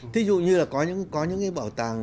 thí dụ như là có những cái bảo tàng